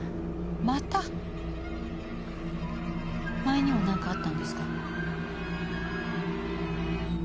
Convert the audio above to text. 前にも何かあったんですか？